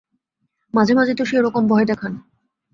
মাঝে মাঝে তো সেইরকম ভয় দেখান।